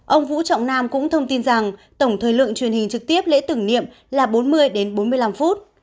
ông vũ trọng nam cũng thông tin rằng tổng thời lượng truyền hình trực tiếp lễ tử nghiệm là bốn mươi bốn mươi năm phút